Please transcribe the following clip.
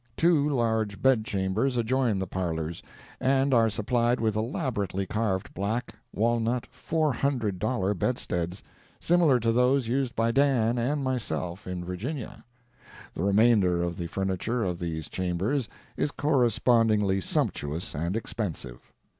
Two large bed chambers adjoin the parlors, and are supplied with elaborately carved black walnut four hundred dollar bedsteads, similar to those used by Dan and myself in Virginia; the remainder of the furniture of these chambers is correspondingly sumptuous and expensive.